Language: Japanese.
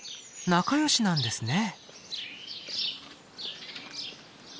仲よしなんですね。